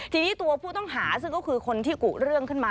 ทีนี้ตัวผู้ต้องหาซึ่งก็คือคนที่กุเรื่องขึ้นมา